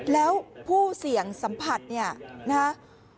แล้วผู้เสี่ยงสัมผัสเนี่ยนะฮะ